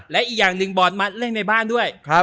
และอีกอย่างหนึ่งบอร์ดมัดเล่นในบ้านด้วย